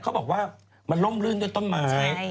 เขาบอกว่ามันล่มลื่นด้วยต้นไม้